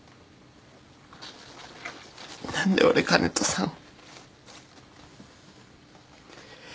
何で俺香音人さんを。